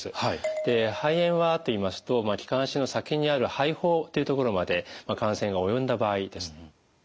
で肺炎はといいますと気管支の先にある肺胞というところまで感染が及んだ場合です。